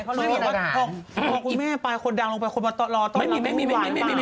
เขาเรียกว่าคุณแม่คนดังลงไปคนมาตอนรอต้องรับคุณหวานหรือเปล่า